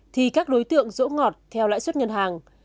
thì các đối tượng rỗ ngọt theo lãi suất ngân hàng